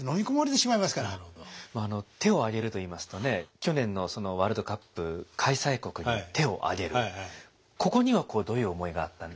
「手をあげる」といいますとね去年のワールドカップ開催国に手をあげるここにはどういう思いがあったんですか？